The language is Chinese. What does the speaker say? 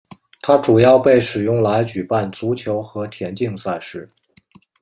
它主要被使用来举办足球和田径赛事。